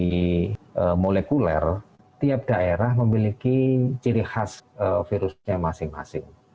di molekuler tiap daerah memiliki ciri khas virusnya masing masing